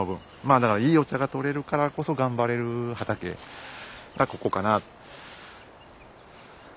だからいいお茶がとれるからこそ頑張れる畑がここかなあ。